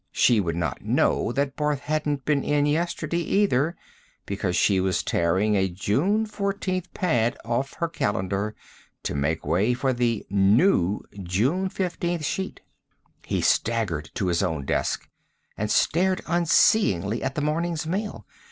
She would not know that Barth hadn't been in yesterday, either, because she was tearing a June 14th pad off her calendar to make way for the "new" June 15th sheet. He staggered to his own desk and stared unseeingly at the morning's mail.